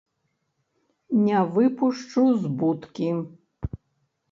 Не выпушчу з будкі.